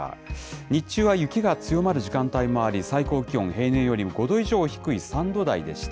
日中は雪が強まる時間帯もあり、最高気温、平年よりも５度以上低い３度台でした。